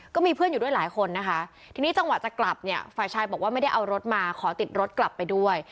ก็มีเพื่อนอยู่ด้วยหลายคนนะคะทีนี้จังหวะจะกลับเนี่ยฝ่ายชายบอกว่าไม่ได้เอารถมาขอติดรถกลับไปด้วย